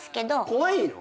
怖いの？